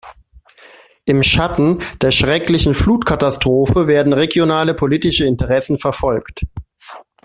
Im Schatten der schrecklichen Flutkatastrophe werden regionale politische Interessen verfolgt.